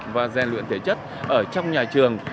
và gian luyện thể chất ở trong nhà trường